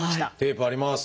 テープあります。